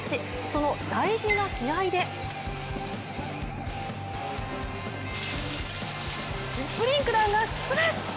その大事な試合でスプリンクラーがスプラッシュ！